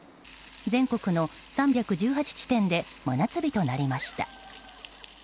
全国の３１８地点で真夏日となりました。